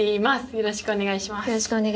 よろしくお願いします。